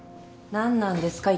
なんなんですか？